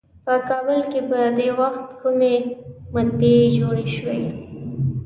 په کابل کې په دې وخت کومې مطبعې جوړې شوې.